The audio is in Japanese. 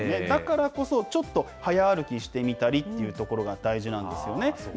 だからこそ、ちょっと早歩きしてみたりというところが大事なんですよね。